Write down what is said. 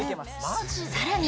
さらに！